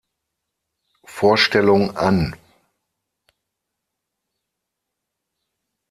Vorstellung an.